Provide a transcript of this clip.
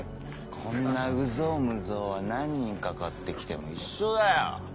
こんな有象無象は何人かかって来ても一緒だよ。